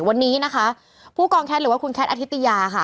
วันนี้นะคะผู้กองแคทหรือว่าคุณแคทอธิตยาค่ะ